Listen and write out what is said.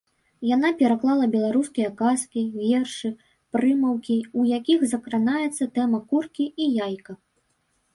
Яна пераклала беларускія казкі, вершы, прымаўкі, у якіх закранаецца тэма куркі і яйка.